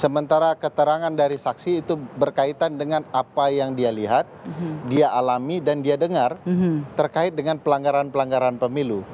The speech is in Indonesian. sementara keterangan dari saksi itu berkaitan dengan apa yang dia lihat dia alami dan dia dengar terkait dengan pelanggaran pelanggaran pemilu